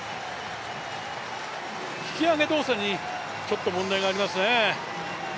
引き上げ動作にちょっと問題がありますね。